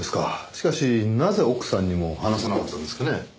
しかしなぜ奥さんにも話さなかったんですかね？